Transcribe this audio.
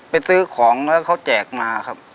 ไปซื้อของแล้วเขาแจกมาครับ